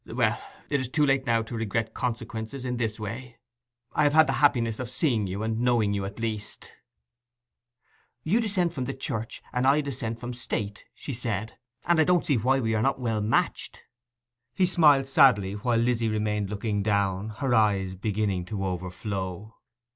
Well, it is too late now to regret consequences in this way. I have had the happiness of seeing you and knowing you at least.' 'You dissent from Church, and I dissent from State,' she said. 'And I don't see why we are not well matched.' He smiled sadly, while Lizzy remained looking down, her eyes beginning to overflow.